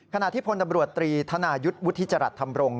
ขณะที่ผลดำรวจตรีธนายุทธ์วุฒิจรัตน์ทำรง